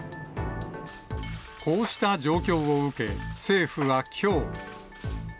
こうした状況を受け、政府はきょう。